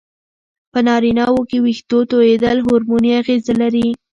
په نارینه وو کې وېښتو توېیدل هورموني اغېزه لري.